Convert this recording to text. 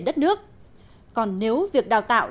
đất nước còn nếu việc đào tạo